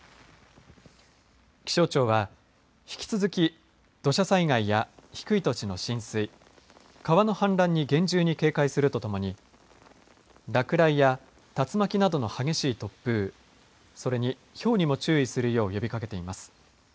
気象庁は、引き続き土砂災害や低い土地の浸水川の氾濫に厳重に警戒するとともに落雷や竜巻などの激しい突風それに、ひょうにも注意するよう呼びかけています。